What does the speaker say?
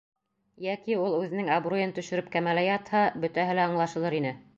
Йәки ул, үҙенең абруйын төшөрөп кәмәлә ятһа, бөтәһе лә аңлашылыр ине.